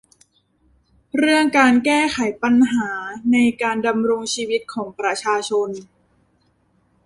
เรื่องการแก้ไขปัญหาในการดำรงชีวิตของประชาชน